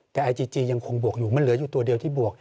แต่ไอจีจียังคงบวกอยู่มันเหลืออยู่ตัวเดียวที่บวก